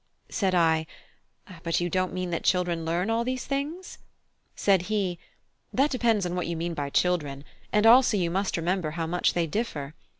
Said I: "But you don't mean that children learn all these things?" Said he: "That depends on what you mean by children; and also you must remember how much they differ.